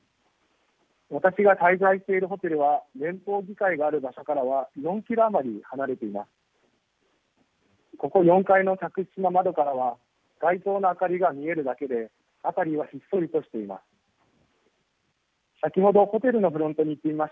私が滞在しているホテルは連邦議会がある場所からは４キロ余り離れています。